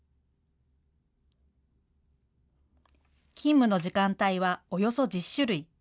勤務の時間帯はおよそ１０種類。